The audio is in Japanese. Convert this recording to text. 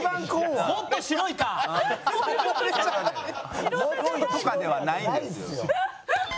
「白い」とかではないんですよ。